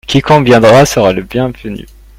Quiconque viendra sera le bienvenu.